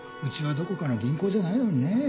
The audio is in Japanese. うちはどこかの銀行じゃないのにね。